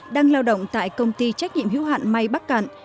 đang lao động tại công ty trách nhiệm hiếu hạn may bắc cạn